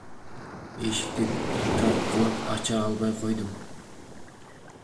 Эшикти тарткылап, ача албай койдум.